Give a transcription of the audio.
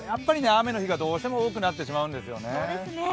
雨の日がどうしても多くなってしまうんですね。